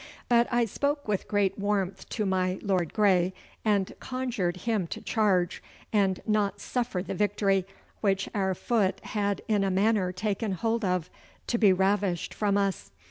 But I spoke with great warmth to my Lord Grey, and conjured him to charge, and not suffer the victory, which our foot had in a manner taken hold of, to be ravished from us.